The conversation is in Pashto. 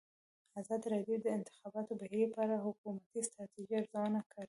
ازادي راډیو د د انتخاباتو بهیر په اړه د حکومتي ستراتیژۍ ارزونه کړې.